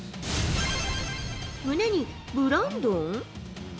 胸に「ブランドン」？